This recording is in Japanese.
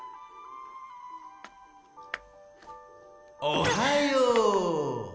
おはよう。